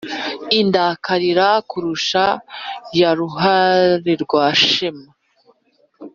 Indakalira kuvusha ya ruhalirwashema